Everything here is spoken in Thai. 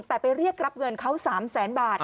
แต่ไปเรียกรับเงินเขา๓แสนบาท